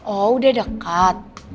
oh udah dekat